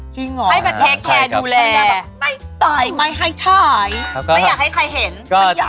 จริงเหรอใช่ครับภรรยาแบบไม่ตายไม่ให้ถ่ายไม่อยากให้ใครเห็นไม่อยากถ่าย